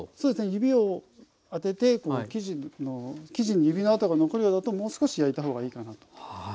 指を当てて生地に指の跡が残るようだともう少し焼いたほうがいいかなと。